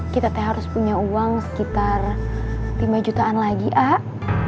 kita teh harus punya uang sekitar lima jutaan lagi ak